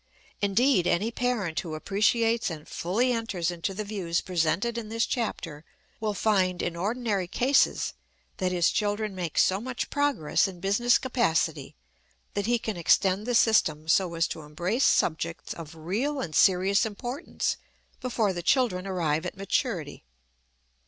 Indeed, any parent who appreciates and fully enters into the views presented in this chapter will find, in ordinary cases, that his children make so much progress in business capacity that he can extend the system so as to embrace subjects of real and serious importance before the children arrive at maturity.